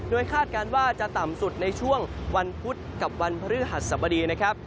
คาดการณ์ว่าจะต่ำสุดในช่วงวันพุธกับวันพฤหัสสบดีนะครับ